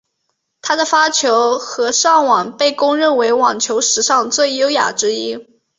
他的发球和上网被公认为网球史上最优雅之一。